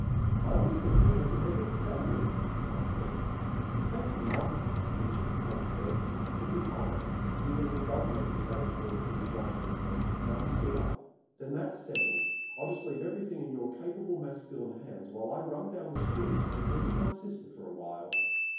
"I always think of him as a member of the family," Mom said. "Thank you, Mom," Richard Holt said. "It's an honor—even if it does make me eligible for dishwashing." Mom stood up. "Then that's settled. I'll just leave everything in your capable masculine hands, while I run down the street to visit with my sister for a while."